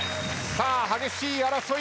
さあ激しい争い。